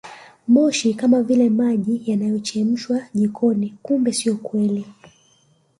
Moshi kama vile maji yanayochemka jikoni kumbe sio kweli